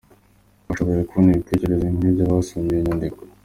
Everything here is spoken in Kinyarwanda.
Twashoboye kubona ibitekerezo bimwe by’abasomye iyo nyandiko: